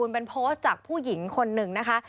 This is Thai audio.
เป็นโพสต์จากผู้หญิงคนหนึ่งนะคะ